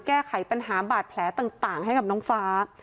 แก้ไขปัญหาบาดแผลต่างให้กับน้องฟ้า